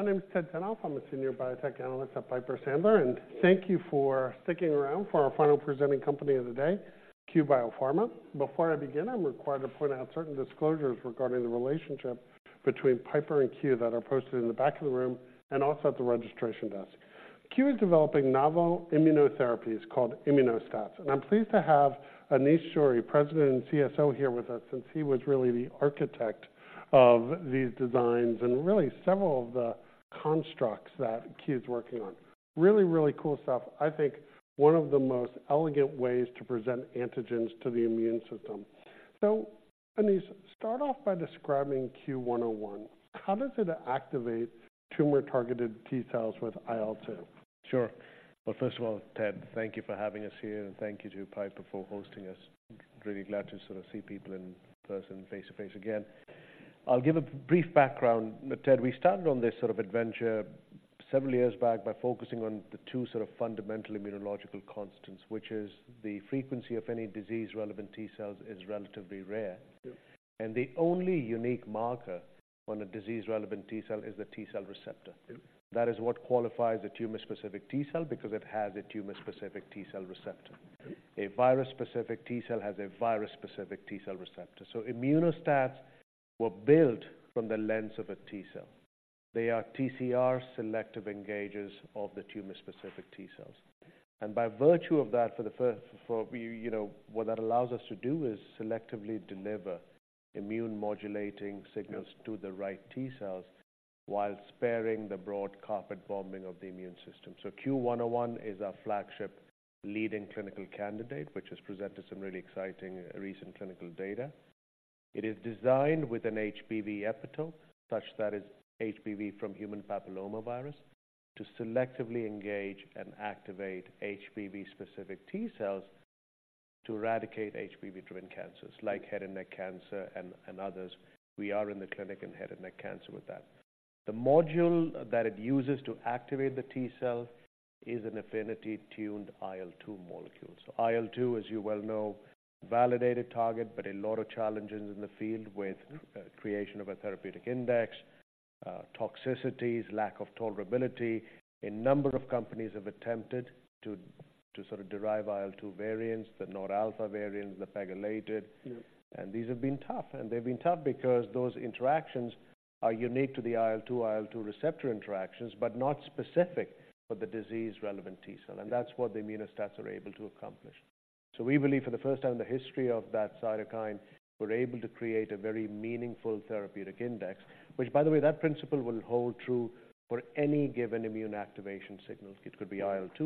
My name is Ted Tenthoff. I'm a senior biotech analyst at Piper Sandler, and thank you for sticking around for our final presenting company of the day, Cue Biopharma. Before I begin, I'm required to point out certain disclosures regarding the relationship between Piper and Cue that are posted in the back of the room and also at the registration desk. Q is developing novel immunotherapies called Immuno-STAT, and I'm pleased to have Anish Suri, President and CSO, here with us, since he was really the architect of these designs and really several of the constructs that Q is working on. Really, really cool stuff. I think one of the most elegant ways to present antigens to the immune system. So Anish, start off by describing CUE-101. How does it activate tumor-targeted T cells with IL-2? Sure. Well, first of all, Ted, thank you for having us here, and thank you to Piper for hosting us. Really glad to sort of see people in person, face to face again. I'll give a brief background, Ted. We started on this sort of adventure several years back by focusing on the two sort of fundamental immunological constants, which is the frequency of any disease-relevant T cells is relatively rare. Yep. The only unique marker on a disease-relevant T cell is the T cell receptor. Yep. That is what qualifies a tumor-specific T cell, because it has a tumor-specific T cell receptor. Yep. A virus-specific T cell has a virus-specific T cell receptor. So Immuno-STATs were built from the lens of a T cell. They are TCR selective engagers of the tumor-specific T cells, and by virtue of that, For, you know, what that allows us to do is selectively deliver immune modulating signals- Yep. to the right T cells while sparing the broad carpet bombing of the immune system. So CUE-101 is our flagship leading clinical candidate, which has presented some really exciting recent clinical data. It is designed with an HPV epitope, such that is HPV from human papillomavirus, to selectively engage and activate HPV-specific T cells to eradicate HPV-driven cancers like head and neck cancer and others. We are in the clinic in head and neck cancer with that. The module that it uses to activate the T cell is an affinity-tuned IL-2 molecule. So IL-2, as you well know, validated target, but a lot of challenges in the field with creation of a therapeutic index, toxicities, lack of tolerability. A number of companies have attempted to sort of derive IL-2 variants, the not-alpha variants Yep. These have been tough, and they've been tough because those interactions are unique to the IL-2, IL-2 receptor interactions, but not specific for the disease-relevant T cell, and that's what the Immuno-STATs are able to accomplish. So we believe for the first time in the history of that cytokine, we're able to create a very meaningful therapeutic index, which, by the way, that principle will hold true for any given immune activation signals. It could be IL-2,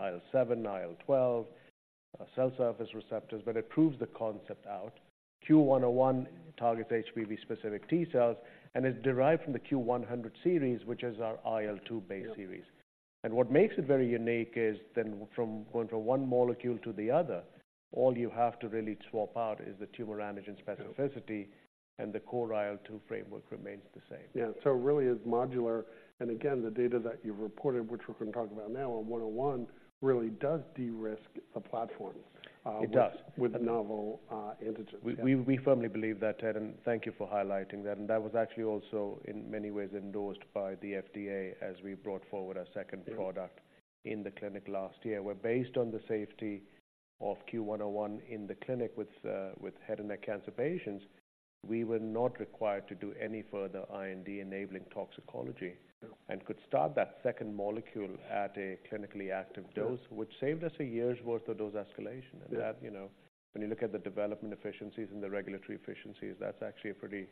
IL-7, IL-12, cell surface receptors, but it proves the concept out. CUE-101 targets HPV-specific T cells and is derived from the CUE-100 series, which is our IL-2 base series. Yep. What makes it very unique is then from going from one molecule to the other, all you have to really swap out is the tumor antigen specificity- Yep The core IL-2 framework remains the same. Yeah, so it really is modular. And again, the data that you've reported, which we're going to talk about now on CUE-101, really does de-risk the platform. It does... with a novel, antigen. We firmly believe that, Ted, and thank you for highlighting that. And that was actually also in many ways endorsed by the FDA as we brought forward our second product- Yep... in the clinic last year, where, based on the safety of CUE-101 in the clinic with head and neck cancer patients, we were not required to do any further IND-enabling toxicology. Yep. Could start that second molecule at a clinically active dose- Yep... which saved us a year's worth of dose escalation. Yep. And that, you know, when you look at the development efficiencies and the regulatory efficiencies, that's actually a pretty,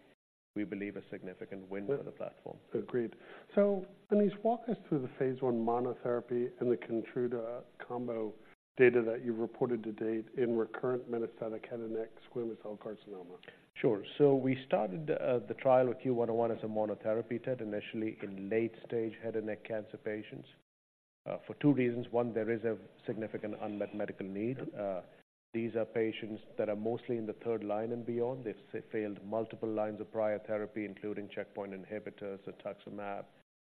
we believe, a significant win for the platform. Agreed. So Anish, walk us through the phase I monotherapy and the Keytruda combo data that you've reported to date in recurrent metastatic head and neck squamous cell carcinoma. Sure. So we started the trial with CUE-101 as a monotherapy, Ted, initially in late-stage head and neck cancer patients for two reasons. One, there is a significant unmet medical need. Yep. These are patients that are mostly in the third line and beyond. They've failed multiple lines of prior therapy, including checkpoint inhibitors, cetuximab,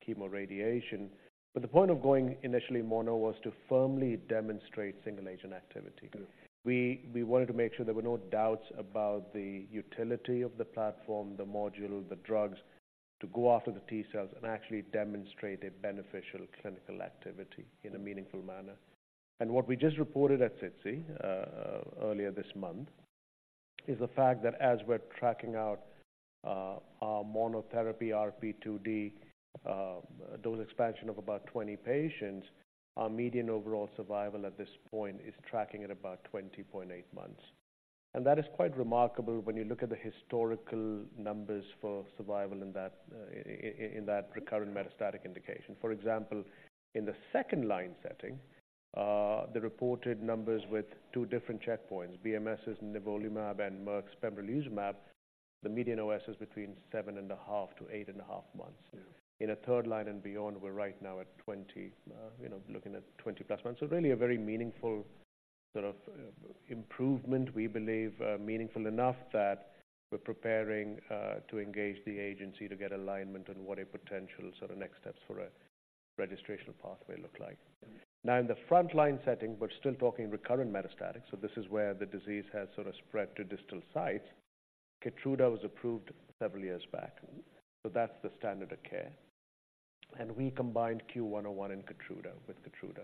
chemoradiation. But the point of going initially mono was to firmly demonstrate single agent activity. Good. We wanted to make sure there were no doubts about the utility of the platform, the module, the drugs, to go after the T-cells and actually demonstrate a beneficial clinical activity in a meaningful manner. And what we just reported at SITC earlier this month is the fact that as we're tracking out our monotherapy RP2D dose expansion of about 20 patients, our median overall survival at this point is tracking at about 20.8 months. And that is quite remarkable when you look at the historical numbers for survival in that recurrent metastatic indication. For example, in the second line setting, the reported numbers with two different checkpoints, BMS's nivolumab and Merck's pembrolizumab, the median OS is between 7.5-8.5 months. Yeah. In a third line and beyond, we're right now at 20, you know, looking at 20+ months. So really a very meaningful sort of improvement, we believe, meaningful enough that we're preparing to engage the agency to get alignment on what a potential sort of next steps for a registration pathway look like. Now, in the frontline setting, but still talking recurrent metastatic, so this is where the disease has sort of spread to distal sites. KEYTRUDA was approved several years back, so that's the standard of care. And we combined CUE-101 in KEYTRUDA, with KEYTRUDA.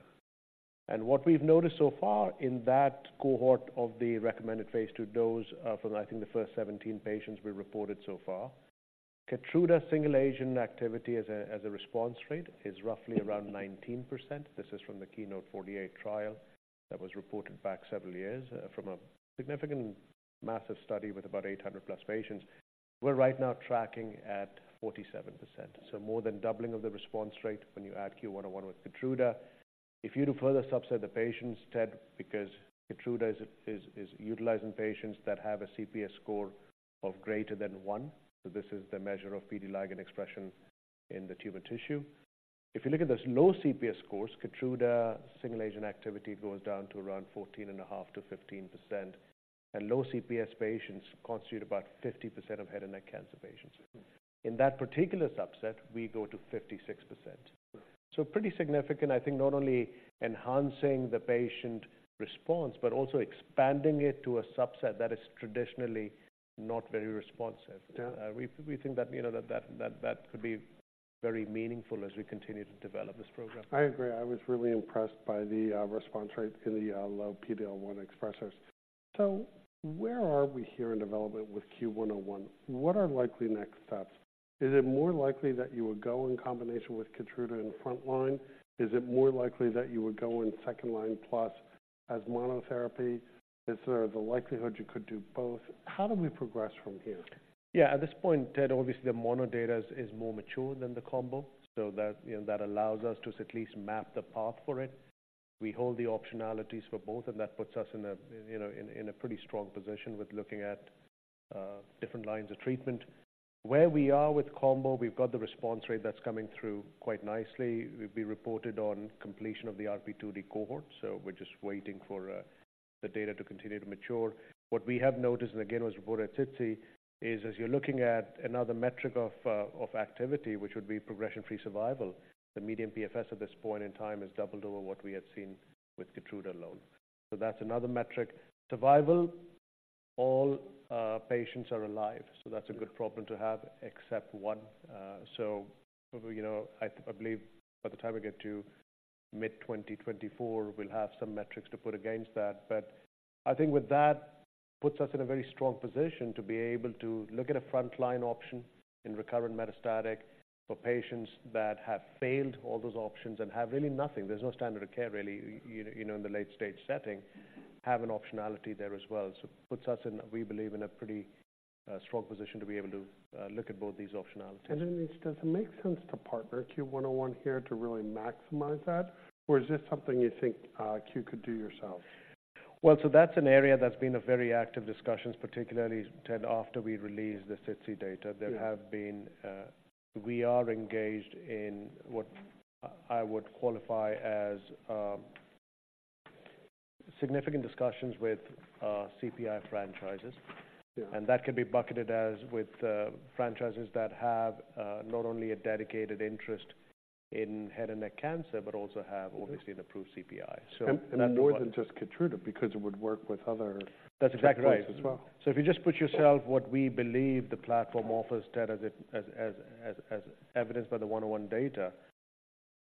And what we've noticed so far in that cohort of the recommended phase 2 dose, from I think the first 17 patients we reported so far, KEYTRUDA single-agent activity as a response rate is roughly around 19%. This is from the KEYNOTE-048 trial that was reported back several years from a significant massive study with about 800+ patients. We're right now tracking at 47%, so more than doubling of the response rate when you add CUE-101 with KEYTRUDA. If you do further subset, the patients, Ted, because KEYTRUDA is utilized in patients that have a CPS score of greater than one. So this is the measure of PD-L1 and expression in the tumor tissue. If you look at those low CPS scores, KEYTRUDA single-agent activity goes down to around 14.5%-15%, and low CPS patients constitute about 50% of head and neck cancer patients. In that particular subset, we go to 56%. Pretty significant, I think, not only enhancing the patient response, but also expanding it to a subset that is traditionally not very responsive. Yeah. We think that, you know, that could be very meaningful as we continue to develop this program. I agree. I was really impressed by the response rate in the low PD-L1 expressors. So where are we here in development with CUE-101? What are likely next steps? Is it more likely that you would go in combination with Keytruda in frontline? Is it more likely that you would go in second line plus as monotherapy? Is there the likelihood you could do both? How do we progress from here? Yeah, at this point, Ted, obviously the mono data is, is more mature than the combo. So that, you know, that allows us to at least map the path for it. We hold the optionalities for both, and that puts us in a, you know, in a, in a pretty strong position with looking at different lines of treatment. Where we are with combo, we've got the response rate that's coming through quite nicely. We've been reported on completion of the RP2D cohort, so we're just waiting for the data to continue to mature. What we have noticed, and again, was reported at SITC, is as you're looking at another metric of activity, which would be progression-free survival, the median PFS at this point in time has doubled over what we had seen with Keytruda alone. So that's another metric. Survival, all patients are alive, so that's a good problem to have, except one. So, you know, I, I believe by the time we get to mid-2024, we'll have some metrics to put against that. But I think with that, puts us in a very strong position to be able to look at a frontline option in recurrent metastatic for patients that have failed all those options and have really nothing. There's no standard of care, really, you know, in the late stage setting, have an optionality there as well. So puts us in, we believe, in a pretty, strong position to be able to, look at both these optionalities. Does it make sense to partner CUE-101 here to really maximize that? Or is this something you think, Cue could do yourself? Well, so that's an area that's been a very active discussions, particularly, Ted, after we released the SITC data. Yeah. There have been. We are engaged in what I would qualify as significant discussions with CPI franchises. Yeah. That can be bucketed, as with franchises that have not only a dedicated interest in head and neck cancer, but also have... Mm-hmm. obviously an approved CPI. So And more than just Keytruda, because it would work with other- That's exactly right. -as well. So if you just put yourself what we believe the platform offers, Ted, as it—as evidenced by the 101 data,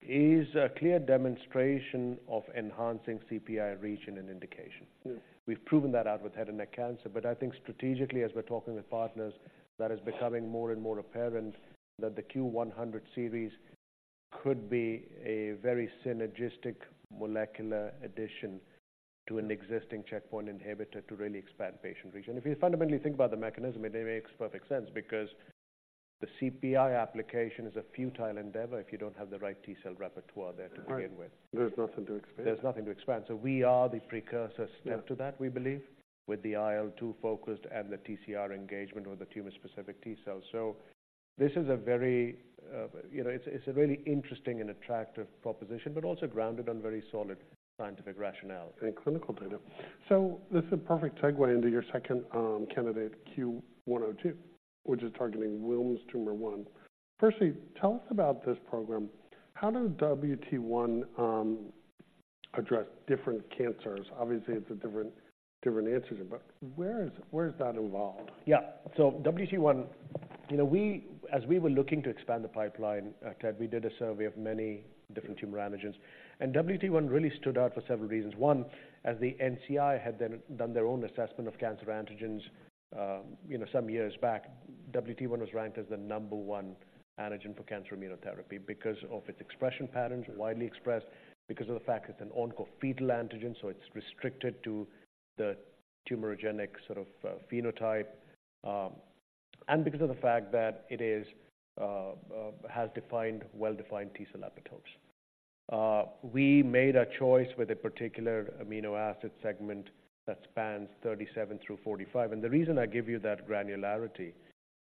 is a clear demonstration of enhancing CPI regimen and indication. Mm. We've proven that out with head and neck cancer, but I think strategically, as we're talking with partners, that is becoming more and more apparent, that the CUE-100 series could be a very synergistic molecular addition to an existing checkpoint inhibitor to really expand patient reach. And if you fundamentally think about the mechanism, it makes perfect sense, because the CPI application is a futile endeavor if you don't have the right T-cell repertoire there to begin with. There's nothing to expand. There's nothing to expand. So we are the precursor step- Yeah to that, we believe, with the IL-2 focused and the TCR engagement or the tumor-specific T cells. So this is a very, you know, it's a really interesting and attractive proposition, but also grounded on very solid scientific rationale. And clinical data. So this is a perfect segue into your second candidate, CUE-102, which is targeting Wilms' tumor 1. Firstly, tell us about this program. How does WT1 address different cancers? Obviously, it's a different, different answer, but where is, where is that involved? Yeah. So WT1, you know, we—as we were looking to expand the pipeline, Ted, we did a survey of many different tumor antigens, and WT1 really stood out for several reasons. One, as the NCI had done their own assessment of cancer antigens, you know, some years back, WT1 was ranked as the number one antigen for cancer immunotherapy because of its expression patterns, widely expressed, because of the fact it's an onco-fetal antigen, so it's restricted to the tumorigenic sort of, phenotype, and because of the fact that it is, has defined, well-defined T-cell epitopes. We made a choice with a particular amino acid segment that spans 37-45. And the reason I give you that granularity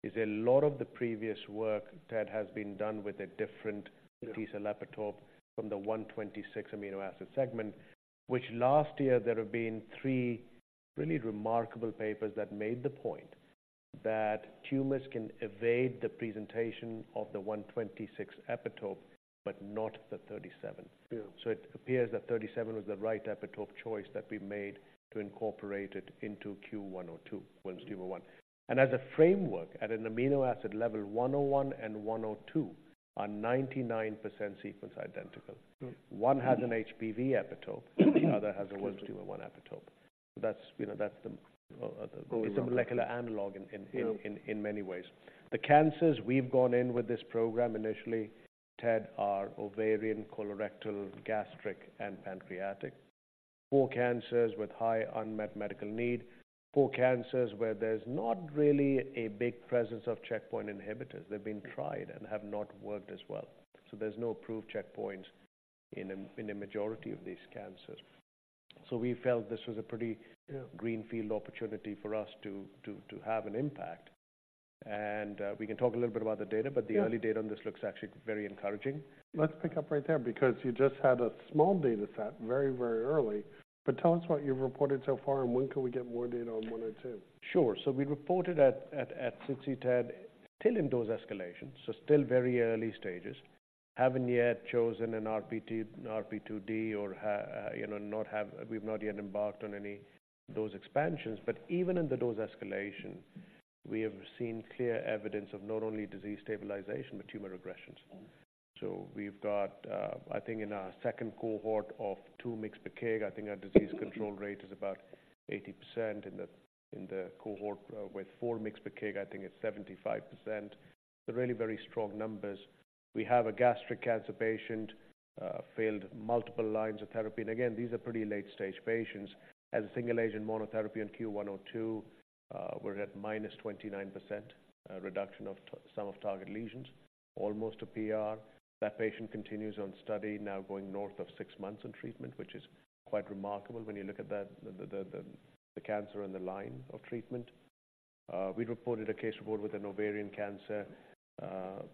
is a lot of the previous work, Ted, has been done with a different- Yeah... T-cell epitope from the 126 amino acid segment, which last year there have been three really remarkable papers that made the point-... that tumors can evade the presentation of the 126 epitope, but not the 37. Yeah. It appears that 37 was the right epitope choice that we made to incorporate it into CUE-102, CUE-101. As a framework at an amino acid level, CUE-101 and CUE-102 are 99% sequence identical. Mm-hmm. One has an HPV epitope, the other has a 101 epitope. That's, you know, that's the, Go with it. It's a molecular analog. Yeah... in many ways. The cancers we've gone in with this program initially, Ted, are ovarian, colorectal, gastric and pancreatic. Four cancers with high unmet medical need, four cancers where there's not really a big presence of checkpoint inhibitors. They've been tried and have not worked as well, so there's no approved checkpoints in a majority of these cancers. So we felt this was a pretty- Yeah... greenfield opportunity for us to have an impact. We can talk a little bit about the data- Yeah... but the early data on this looks actually very encouraging. Let's pick up right there, because you just had a small data set very, very early. But tell us what you've reported so far, and when can we get more data on CUE-102? Sure. So we reported at SITC, still in those escalations, so still very early stages. Haven't yet chosen an RP2D. We've not yet embarked on any dose expansions. But even in the dose escalation, we have seen clear evidence of not only disease stabilization, but tumor regressions. Mm. So we've got, I think in our second cohort of 2 mg/kg, I think our disease control rate is about 80% in the cohort. With 4 mg/kg, I think it's 75%. So really very strong numbers. We have a gastric cancer patient, failed multiple lines of therapy. And again, these are pretty late-stage patients. As a single agent, monotherapy and CUE-102, were at -29%, reduction of some of target lesions, almost a PR. That patient continues on study now going north of 6 months on treatment, which is quite remarkable when you look at the cancer and the line of treatment. We reported a case report with an ovarian cancer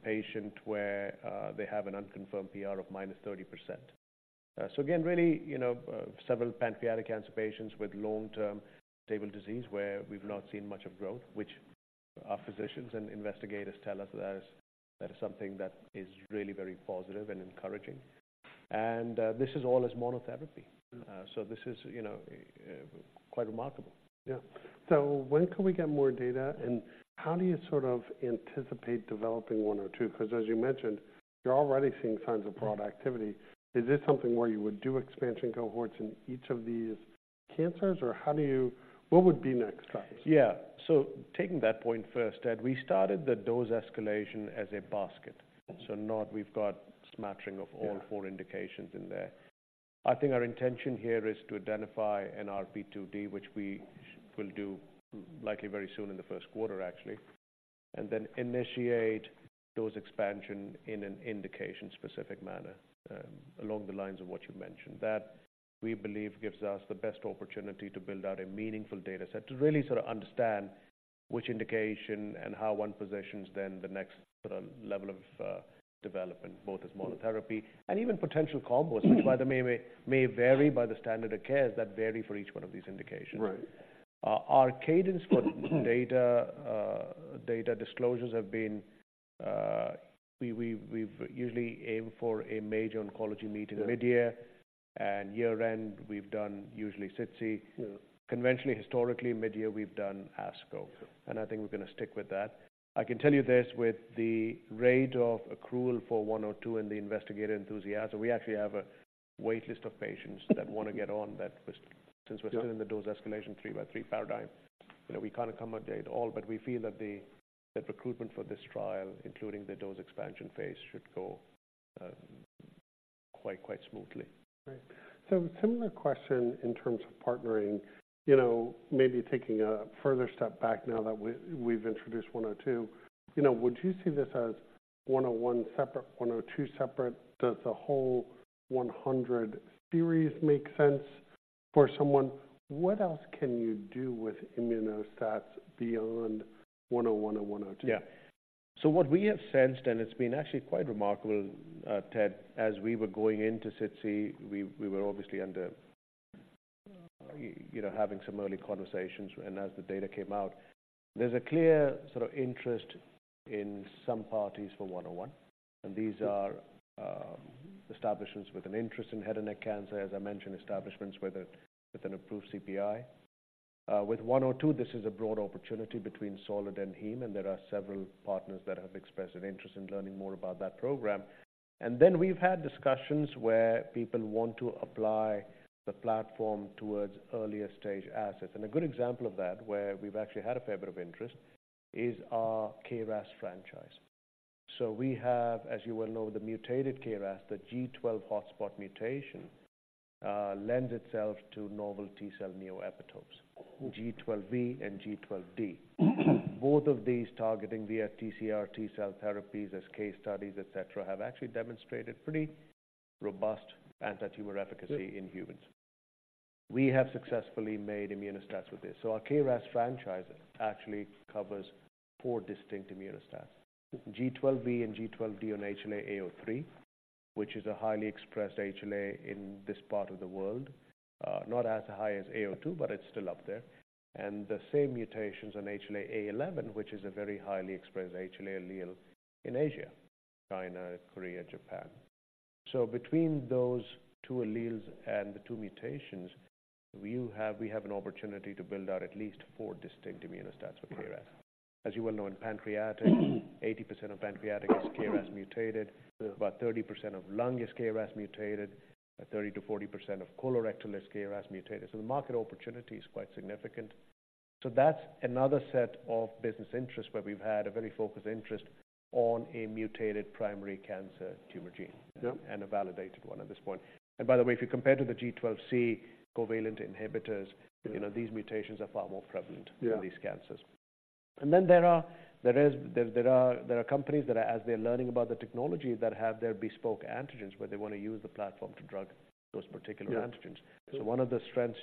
patient, where they have an unconfirmed PR of -30%. So again, really, you know, several pancreatic cancer patients with long-term stable disease, where we've not seen much of growth, which our physicians and investigators tell us that is, that is something that is really very positive and encouraging. This is all as monotherapy. Mm. This is, you know, quite remarkable. Yeah. So when can we get more data, and how do you sort of anticipate developing CUE-102? Because as you mentioned, you're already seeing signs of broad activity. Is this something where you would do expansion cohorts in each of these cancers, or how do you... What would be next steps? Yeah. Taking that point first, Ted, we started the dose escalation as a basket. Mm. So now we've got smattering of- Yeah... all four indications in there. I think our intention here is to identify an RP2D, which we will do likely very soon in the first quarter, actually, and then initiate dose expansion in an indication specific manner, along the lines of what you mentioned. That, we believe, gives us the best opportunity to build out a meaningful data set, to really sort of understand which indication and how one positions then the next sort of level of, development, both as monotherapy- Mm... and even potential combos- Mm... which by the way, may vary by the standard of cares that vary for each one of these indications. Right. Our cadence for data disclosures have been, we've usually aim for a major oncology meet in midyear- Yeah... and year end, we've done usually SITC. Yeah. Conventionally, historically, midyear, we've done ASCO. Sure. I think we're going to stick with that. I can tell you this, with the rate of accrual for 102 and the investigator enthusiasm, we actually have a wait list of patients that want to get on that. But- Yeah... since we're still in the dose escalation, 3 by 3 paradigm, you know, we can't accommodate all, but we feel that the recruitment for this trial, including the dose expansion phase, should go quite smoothly. Right. So similar question in terms of partnering. You know, maybe taking a further step back now that we, we've introduced 102. You know, would you see this as 101 separate, 102 separate? Does the whole 100 series make sense for someone? What else can you do with Immuno-STATS beyond 101 and 102? Yeah. So what we have sensed, and it's been actually quite remarkable, Ted, as we were going into SITC, we were obviously under, you know, having some early conversations, and as the data came out. There's a clear sort of interest in some parties for CUE-101, and these are establishments with an interest in head and neck cancer, as I mentioned, establishments with a, with an approved CPI. With CUE-102, this is a broad opportunity between Solid and Heme, and there are several partners that have expressed an interest in learning more about that program. And then we've had discussions where people want to apply the platform towards earlier stage assets. And a good example of that, where we've actually had a fair bit of interest, is our KRAS franchise. So we have, as you well know, the mutated KRAS, the G12 hotspot mutation, lends itself to novel T cell neoepitopes- Mm... G12V and G12D. Both of these targeting via TCR T cell therapies as case studies, et cetera, have actually demonstrated pretty robust antitumor efficacy- Yeah... in humans. We have successfully made immuno-STATs with this. So our KRAS franchise actually covers 4 distinct immuno-STATs: G12V and G12D on HLA-A03, which is a highly expressed HLA in this part of the world, not as high as A02, but it's still up there. And the same mutations on HLA-A11, which is a very highly expressed HLA allele in Asia, China, Korea, Japan. So between those two alleles and the two mutations, we have, we have an opportunity to build out at least 4 distinct immuno-STATs for KRAS. As you well know, in pancreatic, 80% of pancreatic is KRAS mutated, about 30% of lung is KRAS mutated, and 30%-40% of colorectal is KRAS mutated. So the market opportunity is quite significant. So that's another set of business interests where we've had a very focused interest on a mutated primary cancer tumor gene. Yep. A validated one at this point. And by the way, if you compare to the G12C covalent inhibitors- Mm. you know, these mutations are far more prevalent- Yeah in these cancers. And then there are companies that are, as they're learning about the technology, that have their bespoke antigens, where they want to use the platform to drug those particular antigens. Yeah. So one of the strengths,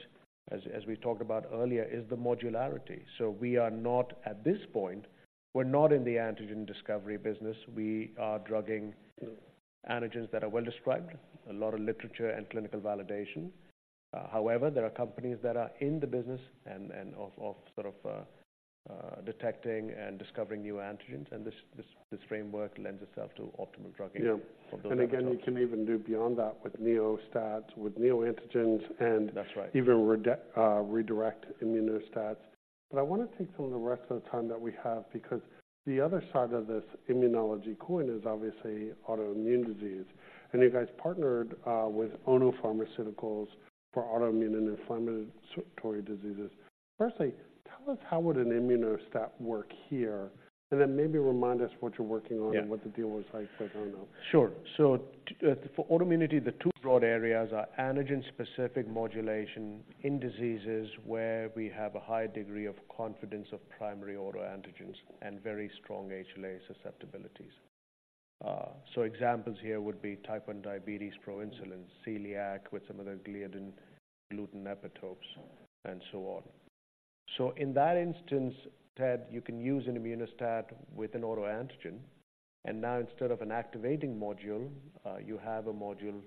as we talked about earlier, is the modularity. So we are not. At this point, we're not in the antigen discovery business. We are drugging- Yeah antigens that are well described, a lot of literature and clinical validation. However, there are companies that are in the business and of sort of detecting and discovering new antigens, and this framework lends itself to optimal drugging. Yeah. For building on top. Again, you can even do beyond that with Neo-STATs, with neoantigens, and... That's right... even redirect immuno-STATs. But I want to take some of the rest of the time that we have, because the other side of this immunology coin is obviously autoimmune disease. And you guys partnered with Ono Pharmaceutical for autoimmune and inflammatory diseases. Firstly, tell us, how would an immunostat work here? And then maybe remind us what you're working on- Yeah - and what the deal was like for Ono. Sure. So for autoimmunity, the two broad areas are antigen-specific modulation in diseases where we have a high degree of confidence of primary autoantigens and very strong HLA susceptibilities. So examples here would be type 1 diabetes, proinsulin, celiac with some of the gliadin gluten epitopes, and so on. So in that instance, Ted, you can use an immunostat with an autoantigen, and now instead of an activating module, you have a module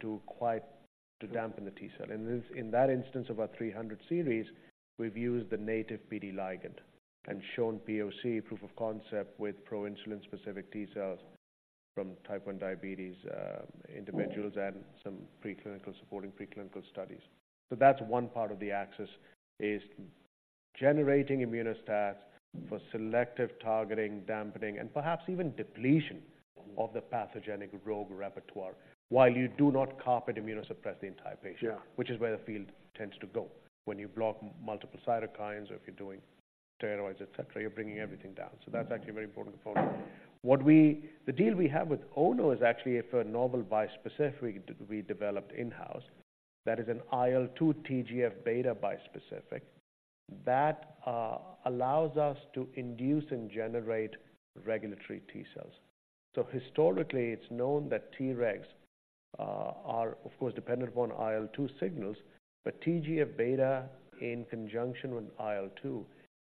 to quiet- Yeah... to dampen the T cell. And this, in that instance, of our 300 series, we've used the native PD ligand and shown POC, proof of concept, with proinsulin-specific T cells from type 1 diabetes individuals- Mm and some preclinical, supporting preclinical studies. So that's one part of the axis, is generating immunostats for selective targeting, dampening, and perhaps even depletion of the pathogenic rogue repertoire, while you do not carpet immunosuppress the entire patient. Yeah. Which is where the field tends to go. When you block multiple cytokines or if you're doing steroids, et cetera, you're bringing everything down. Mm-hmm. So that's actually a very important component. What we... The deal we have with Ono is actually for a novel bispecific we developed in-house. That is an IL-2 TGF-beta bispecific. That allows us to induce and generate regulatory T cells. So historically, it's known that Tregs are, of course, dependent upon IL-2 signals, but TGF-beta, in conjunction with IL-2,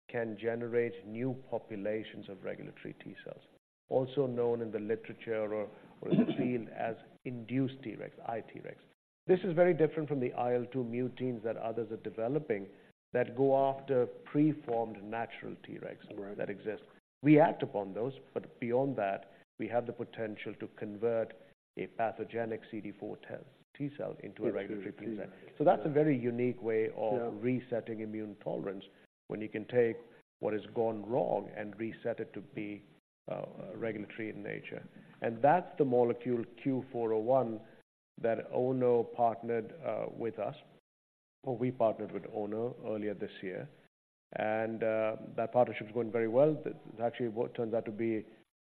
can generate new populations of regulatory T cells, also known in the literature or in the field as induced Tregs, iTregs. This is very different from the IL-2 muteins that others are developing that go after preformed natural Tregs- Right... that exist. We act upon those, but beyond that, we have the potential to convert a pathogenic CD4+ T cell into a regulatory T cell. To a T, yeah. So that's a very unique way of- Yeah - resetting immune tolerance, when you can take what has gone wrong and reset it to be regulatory in nature. And that's the molecule CUE-401 that Ono partnered with us. Or we partnered with Ono earlier this year, and that partnership is going very well. That actually what turned out to be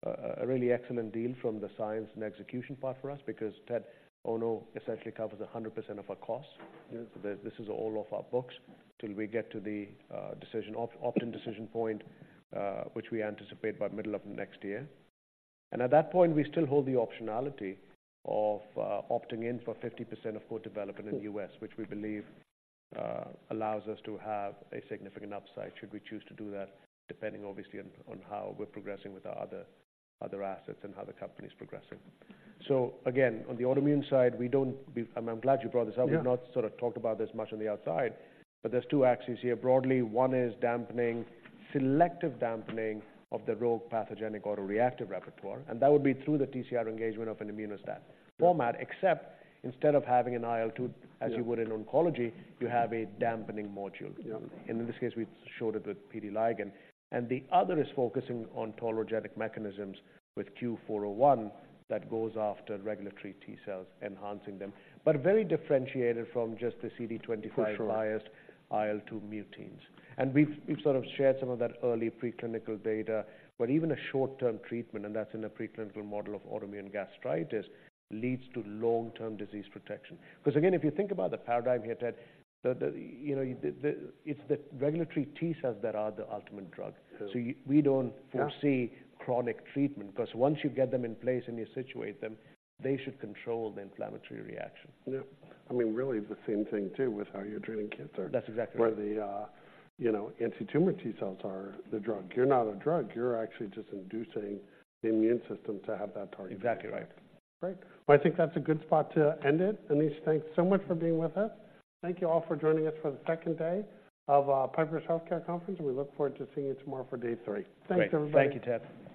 a really excellent deal from the science and execution part for us, because Ted, Ono essentially covers 100% of our costs. Yeah. This is all off our books till we get to the decision, option decision point, which we anticipate by middle of next year. At that point, we still hold the optionality of opting in for 50% of co-development in the US- Sure... which we believe allows us to have a significant upside, should we choose to do that, depending obviously on how we're progressing with our other assets and how the company is progressing. So again, on the autoimmune side, I'm glad you brought this up. Yeah. We've not sort of talked about this much on the outside, but there's two axes here. Broadly, one is dampening, selective dampening of the rogue pathogenic autoreactive repertoire, and that would be through the TCR engagement of an Immuno-STAT format. Except instead of having an IL-2- Yeah As you would in oncology, you have a dampening module. Yeah. In this case, we showed it with PD-L1. The other is focusing on tolerogenic mechanisms with CUE-401 that goes after regulatory T cells, enhancing them, but very differentiated from just the CD25- For sure biased IL-2 muteins. And we've sort of shared some of that early preclinical data, but even a short-term treatment, and that's in a preclinical model of autoimmune gastritis, leads to long-term disease protection. 'Cause again, if you think about the paradigm here, Ted, you know, it's the regulatory T cells that are the ultimate drug. Sure. So, we don't foresee- Yeah... chronic treatment, 'cause once you get them in place and you situate them, they should control the inflammatory reaction. Yeah. I mean, really, the same thing too, with how you're treating cancer. That's exactly right. Where the, you know, antitumor T cells are the drug. You're not a drug, you're actually just inducing the immune system to have that target. Exactly right. Great. Well, I think that's a good spot to end it. Anish, thanks so much for being with us. Thank you all for joining us for the second day of Piper Healthcare Conference, and we look forward to seeing you tomorrow for day three. Great. Thanks, everybody. Thank you, Ted.